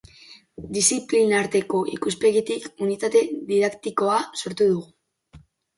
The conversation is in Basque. Disziplinarteko ikuspegitik unitate didaktikoa sortu dugu.